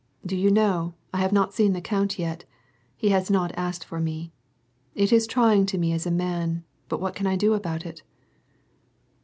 " Do you know, I have not seen the count yet ? He has not asked for me. It is trying to me as a man, but what can I do about it